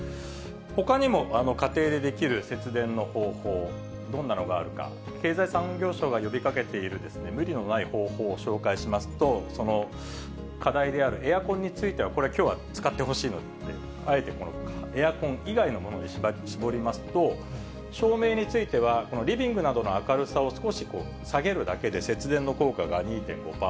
ほかにも、家庭でできる節電の方法、どんなのがあるか、経済産業省が呼びかけている、無理のない方法を紹介しますと、その課題であるエアコンについては、これ、きょうは使ってほしいので、あえてエアコン以外のもので絞りますと、照明については、このリビングなどの明るさを少し下げるだけで節電の効果が２．５％。